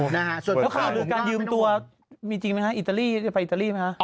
แล้วเขาก็ดูการยืมตัวมีจริงมั้ยฮะอิตาลีไปอิตาลีมั้ยฮะ